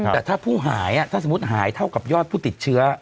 แต่ถ้าผู้หายถ้าสมมุติหายเท่ากับยอดผู้ติดเชื้อ